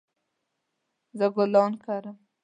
زه ګلان کرم